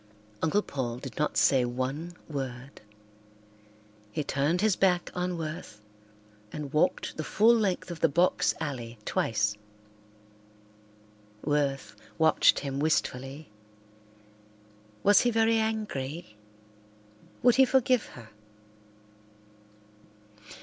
Uncle Paul did not say one word. He turned his back on Worth and walked the full length of the box alley twice. Worth watched him wistfully. Was he very angry? Would he forgive her?